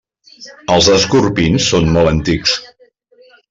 Els escorpins són molt antics.